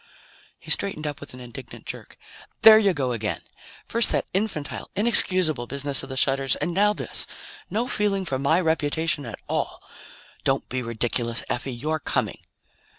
He straightened up with an indignant jerk. "There you go again! First that infantile, inexcusable business of the shutters, and now this! No feeling for my reputation at all. Don't be ridiculous, Effie. You're coming!"